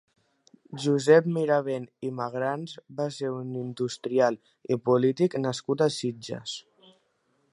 Josep Mirabent i Magrans va ser un industrial i polític nascut a Sitges.